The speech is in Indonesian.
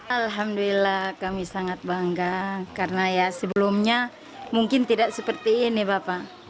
alhamdulillah kami sangat bangga karena ya sebelumnya mungkin tidak seperti ini bapak